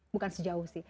bukan sejauh sih